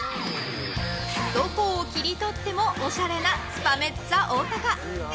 どこを切り取ってもおしゃれなスパメッツァおおたか！